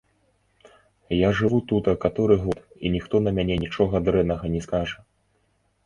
Я жыву тута каторы год, і ніхто на мяне нічога дрэннага не скажа.